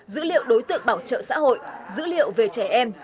dữ liệu đối tượng bảo trợ xã hội dữ liệu về trẻ em